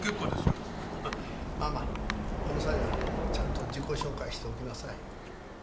ママこの際だちゃんと自己紹介しておきなさい。